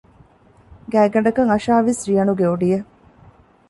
ގާތްގަނޑަކަށް އަށާވީސް ރިޔަނުގެ އޮޑިއެއް